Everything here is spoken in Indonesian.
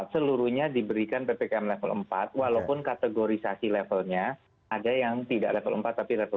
seluruhnya diberikan ppkm level empat walaupun kategorisasi levelnya ada yang tidak level empat tapi level dua